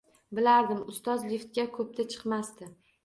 Bilardim, ustoz liftga ko‘pda chiqmasdi